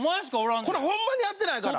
これホンマにやってないから。